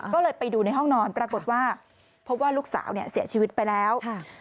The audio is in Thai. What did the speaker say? ก็เลยไปดูในห้องนอนปรากฏว่าลูกสาวเสียชีวิตไปแล้ว